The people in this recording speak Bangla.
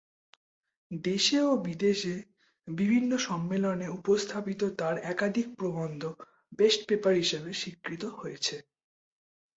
দেশে ও বিদেশে বিভিন্ন সম্মেলনে উপস্থাপিত তার একাধিক প্রবন্ধ "বেস্ট পেপার" হিসেবে স্বীকৃত হয়েছে।